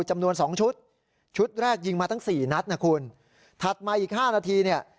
จำนวน๒ชุดชุดแรกยิงมาทั้ง๔นัทนะคุณถัดมาอีก๕นาทีเนี่ย